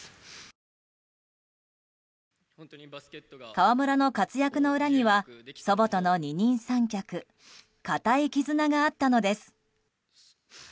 河村の活躍の裏には祖母との二人三脚固い絆があったのです。